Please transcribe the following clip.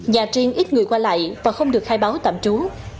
nhà riêng ít người qua lại và không được khai báo tạm trú